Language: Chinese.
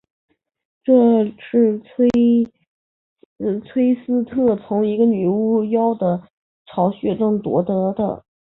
这是崔斯特从一个女巫妖的巢穴中夺得的。